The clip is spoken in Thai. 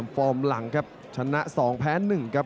ฟอร์มหลังครับชนะ๒แพ้๑ครับ